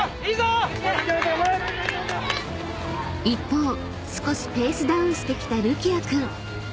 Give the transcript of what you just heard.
［一方少しペースダウンしてきたるきあ君］